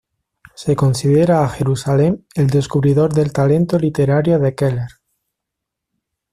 Se considera a Jerusalem el descubridor del talento literario de Keller.